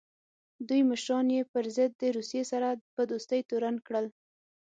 دوی مشران یې پر ضد د روسیې سره په دوستۍ تورن کړل.